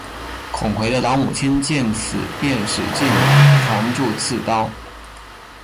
孙奎的老母亲见此便使劲攥住刺刀。